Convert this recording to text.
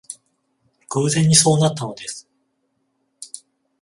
偶然にそうなったのです